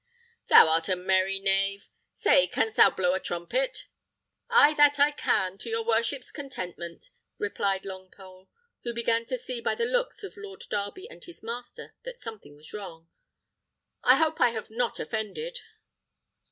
"Thou art a merry knave. Say, canst thou blow a trumpet?" "Ay, that I can, to your worship's contentment," replied Longpole, who began to see by the looks of Lord Darby and his master that something was wrong. "I hope I have not offended."